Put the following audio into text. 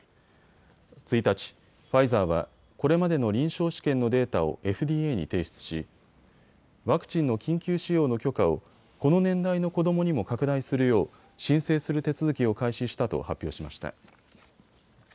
１日、ファイザーはこれまでの臨床試験のデータをＦＤＡに提出しワクチンの緊急使用の許可をこの年代の子どもにも拡大するよう申請する手続きを開始したと発表しました。